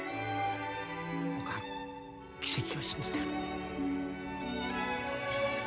僕は奇跡を信じてる。